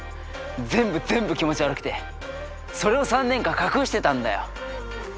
全部全部気持ち悪くてそれを３年間隠してたんだよ。